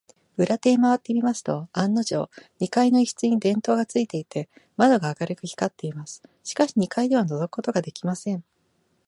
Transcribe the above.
裏手へまわってみますと、案のじょう、二階の一室に電燈がついていて、窓が明るく光っています。しかし、二階ではのぞくことができません。